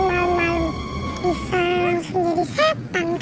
ya ya kan takut